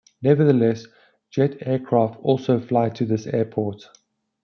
Nevertheless, Jet aircraft also fly to this airport.